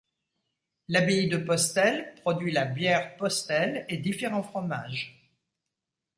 L'abbaye de Postel produit la bière Postel et différents fromages.